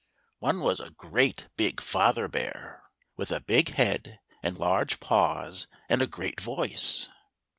One was a great big father bear, with a big head, and large paws, and a great voice.